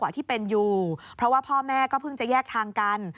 ที่เป็นอยู่เพราะว่าพ่อแม่ก็เพิ่งจะแยกทางกัน